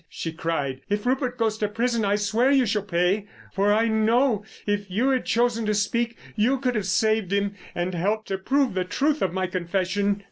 she cried. "If Rupert goes to prison I swear you shall pay; for I know, if you had chosen to speak, you could have saved him, and helped to prove the truth of my confession."